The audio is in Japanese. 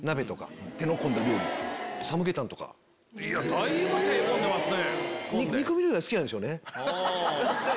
だいぶ手込んでますね。